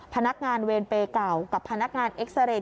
พนักงานเวรเปย์เก่ากับพนักงานเอ็กซาเรย์